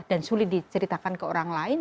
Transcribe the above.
dan sulit diceritakan ke orang lain